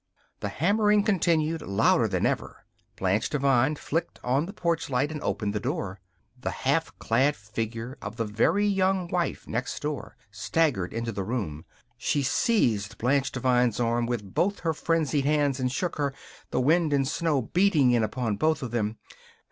The hammering continued, louder than ever. Blanche Devine flicked on the porch light and opened the door. The half clad figure of the Very Young Wife next door staggered into the room. She seized Blanche Devine's arm with both her frenzied hands and shook her, the wind and snow beating in upon both of them.